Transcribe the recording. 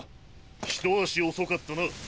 一足遅かったな。